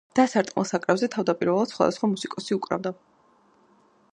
დასარტყმელ საკრავებზე თავდაპირველად სხვადასხვა მუსიკოსი უკრავდა.